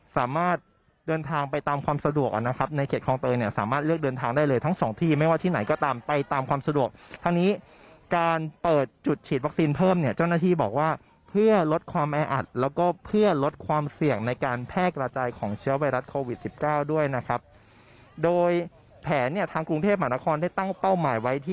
สามารถเดินทางไปตามความสะดวกนะครับในเขตคลองเตยเนี่ยสามารถเลือกเดินทางได้เลยทั้งสองที่ไม่ว่าที่ไหนก็ตามไปตามความสะดวกทางนี้การเปิดจุดฉีดวัคซีนเพิ่มเนี่ยเจ้าหน้าที่บอกว่าเพื่อลดความแออัดแล้วก็เพื่อลดความเสี่ยงในการแพร่กระจายของเชื้อไวรัสโควิดสิบเก้าด้วยนะครับโดยแผนเนี่ยทางกรุงเทพมหานครได้ตั้งเป้าหมายไว้ที่